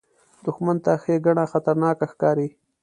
دښمن ته ښېګڼه خطرناکه ښکاري